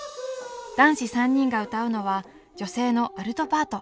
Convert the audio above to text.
男子３人が歌うのは女声のアルトパート！